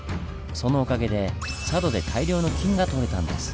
そのおかげで佐渡で大量の金がとれたんです。